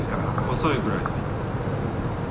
遅いくらいだ。